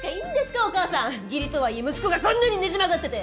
義理とはいえ息子がこんなにねじ曲がってて！